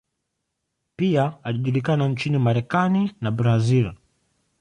Pia alijulikana nchini Marekani na Brazil.